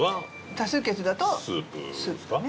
多数決だとスープだね。